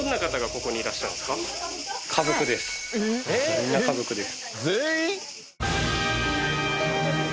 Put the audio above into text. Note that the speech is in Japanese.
みんな家族です。